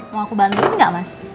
mau aku bantuin nggak mas